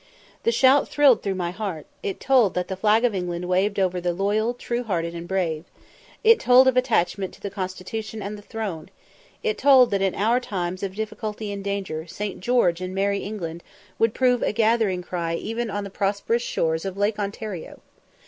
The shout thrilled through my heart; it told that the flag of England waved over the loyal, true hearted, and brave; it told of attachment to the constitution and the throne; it told that in our times of difficulty and danger "St. George and merry England" would prove a gathering cry even on the prosperous shores of Lake Ontario.